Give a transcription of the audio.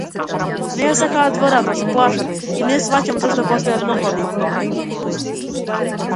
Не ја сакаат водата, се плашат, и не сфаќам зошто постојат походи.